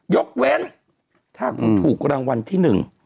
ยกเว้นถ้าถูกรางวัลที่๑